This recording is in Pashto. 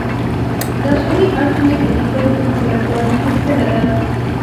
داخلي اړخ یې د لیکلو د څرنګوالي پوښتنه ده.